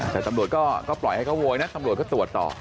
แต่ตำรวจก็ปล่อยให้เขาโวยนะตำรวจก็ตรวจต่อ